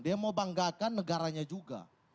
dia mau banggakan negaranya juga